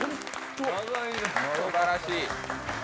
すばらしい。